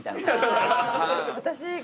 私。